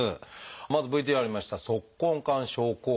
まずＶＴＲにありました「足根管症候群」。